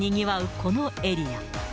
このエリア。